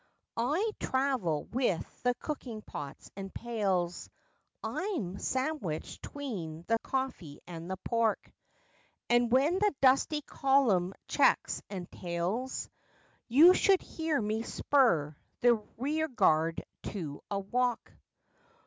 I travel with the cooking pots and pails I'm sandwiched 'tween the coffee and the pork And when the dusty column checks and tails, You should hear me spur the rearguard to a walk!